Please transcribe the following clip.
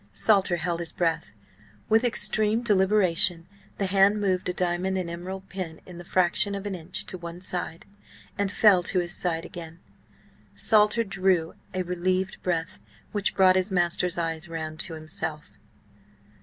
Salter held his breath. With extreme deliberation the hand moved a diamond and emerald pin the fraction of an inch to one side, and fell to his side again. Salter drew a relieved breath, which brought his master's eyes round to himself.